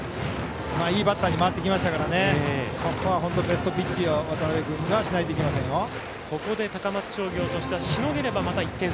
いいバッターに回ってきましたからここは本当、ベストピッチを渡辺君はしなければいけません。